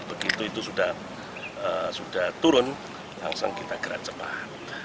begitu itu sudah turun langsung kita gerak cepat